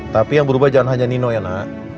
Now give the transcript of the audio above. tapi yang berubah jangan hanya nino ya nak